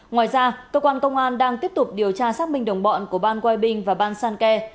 ngoài ra cơ quan công an đang tiếp tục điều tra xác minh đồng bọn của ban quay binh và ban san khe